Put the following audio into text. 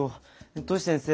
トシ先生